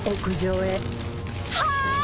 はい！